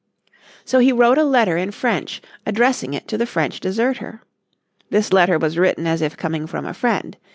So he wrote a letter in French addressing it to the French deserter. This letter was written as if coming from a friend.